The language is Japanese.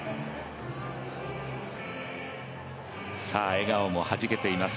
笑顔もはじけています。